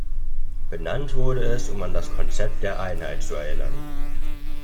Benannt wurde es um an das Konzept der Einheit zu erinnern.